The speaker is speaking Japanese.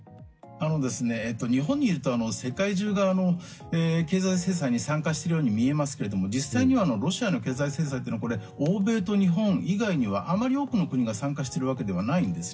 日本にいると世界中が経済制裁に参加しているように見えますけども実際にはロシアの経済制裁というのは欧米と日本以外にはあまり多くの国が参加しているわけではないんです。